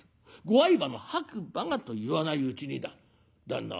ご愛馬の白馬が』と言わないうちにだ旦那